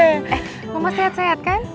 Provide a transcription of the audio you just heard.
eh mama sehat sehat kan